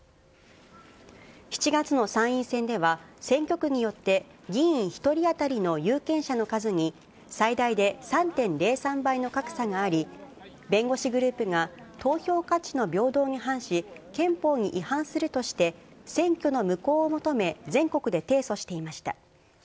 ７月の参院選では、選挙区によって議員１人当たりの有権者の数に、最大で３．０３倍の格差があり、弁護士グループが投票価値の平等に反し、憲法に違反するとして、選挙の無効を求め、全国で提訴していました。